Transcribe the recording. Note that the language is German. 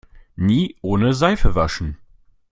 Nie ohne Seife waschen!